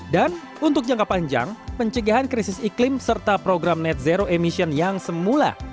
dan untuk jangka panjang pencegahan krisis iklim serta program net zero emission yang semula